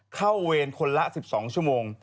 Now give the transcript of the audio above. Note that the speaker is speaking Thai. เวรคนละ๑๒ชั่วโมง